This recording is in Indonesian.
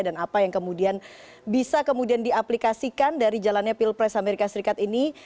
dan apa yang kemudian bisa kemudian diaplikasikan dari jalannya pilpres amerika serikat ini